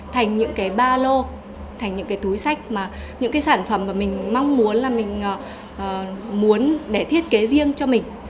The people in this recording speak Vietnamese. thành những ba lô thành những túi sách những sản phẩm mà mình mong muốn để thiết kế riêng cho mình